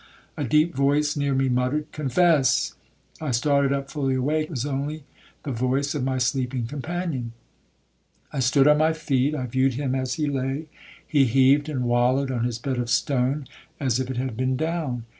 A deep voice near me muttered, 'Confess.' I started up fully awake,—it was only the voice of my sleeping companion. I stood on my feet, I viewed him as he lay. He heaved and wallowed on his bed of stone, as if it had been down.